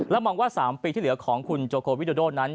มองว่า๓ปีที่เหลือของคุณโจโควิโดโดนั้น